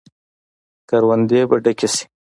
کروندې به ډکې شي.